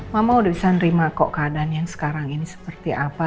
mama udah bisa nerima kok keadaan yang sekarang ini seperti apa